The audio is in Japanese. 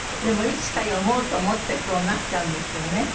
でもいつか読もうと思ってそうなっちゃうんですよね。